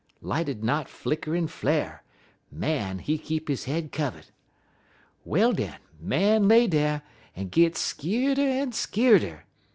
_ Light'd knot flicker en flar'. Man, he keep his head kivvud. "Well, den, Man lay dar, en git skeer'der en skeer'der.